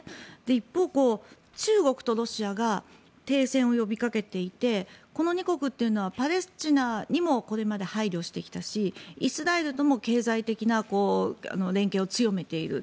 一方、中国とロシアが停戦を呼び掛けていてこの２国はパレスチナにもこれまで配慮してきたしイスラエルとも経済的な連携を強めている。